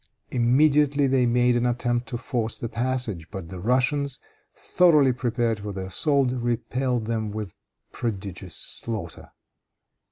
Immediately they made an attempt to force the passage. But the Russians, thoroughly prepared for the assault, repelled them with prodigious slaughter.